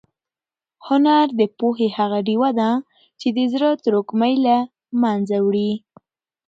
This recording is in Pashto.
هنر د پوهې هغه ډېوه ده چې د زړه تروږمۍ له منځه وړي.